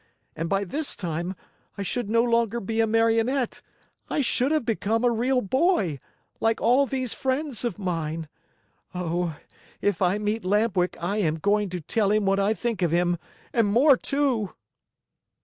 And by this time, I should no longer be a Marionette. I should have become a real boy, like all these friends of mine! Oh, if I meet Lamp Wick I am going to tell him what I think of him and more, too!"